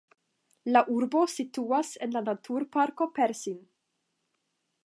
La urbo situas en la Naturparko Persin.